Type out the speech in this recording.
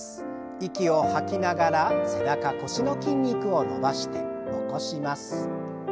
息を吐きながら背中腰の筋肉を伸ばして起こします。